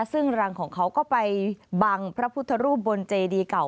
ซึ่งรังของเขาก็ไปบังพระพุทธรูปบนเจดีเก่า